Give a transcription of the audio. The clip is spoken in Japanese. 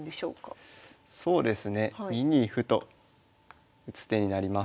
そうですね２二歩と打つ手になります。